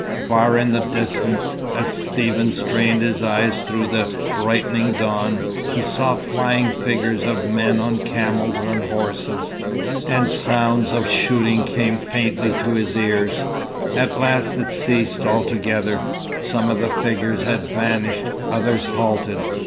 Far in the distance, as Stephen strained his eyes through the brightening dawn, he saw flying figures of men on camels and horses; and sounds of shooting came faintly to his ears. At last it ceased altogether. Some of the figures had vanished. Others halted.